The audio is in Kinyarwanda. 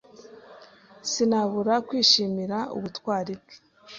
Sinabura kwishimira ubutwari bwe.